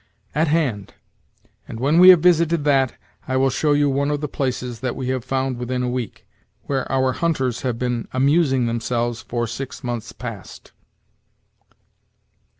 "At hand; and when we have visited that, I will show you one of the places that we have found within a week, where our hunters have been amusing themselves for six months past."